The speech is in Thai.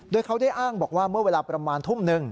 โดยเขาได้อ้างบอกว่าเมื่อเวลาประมาณทุ่มหนึ่ง